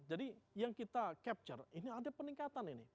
jadi yang kita capture ini ada peningkatan ini